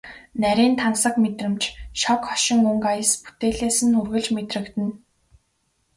Нарийн тансаг мэдрэмж, шог хошин өнгө аяс бүтээлээс нь үргэлж мэдрэгдэнэ.